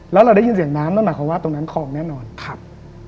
แล้วเราได้ยินเสียงน้ำนั่นหมายความว่าตรงนั้นคลองแน่นอนครับ